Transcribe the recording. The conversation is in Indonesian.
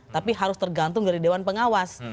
tapi harus tergantung dari dewan pengawas